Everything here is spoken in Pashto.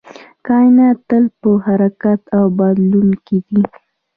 کائنات تل په حرکت او بدلون کې دی